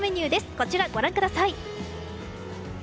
こちら、ご覧ください！